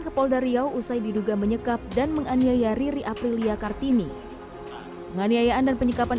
ke polda riau usai diduga menyekap dan menganiaya riri aprilia kartini penganiayaan dan penyekapan